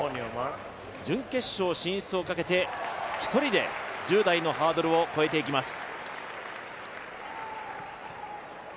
準決勝進出をかけて１人で１０台のハードルを越えていきます。